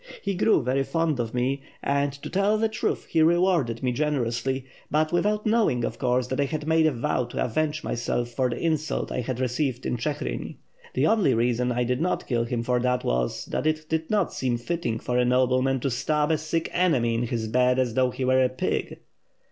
He grew very fond of me and to tell the truth he rewarded me generously; but, without knowing, of course, that I had made a vow to avenge myself for the insult I had received in Chigrin. The only reason I did not kill him for that was, that it did not seem fitting for a nobleman to stab a sick enemy in his bed as though he were a pig."